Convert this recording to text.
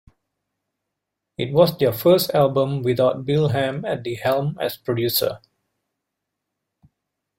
It was their first album without Bill Ham at the helm as producer.